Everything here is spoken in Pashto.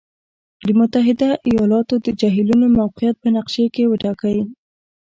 د متحد ایالاتو د جهیلونو موقعیت په نقشې کې وټاکئ.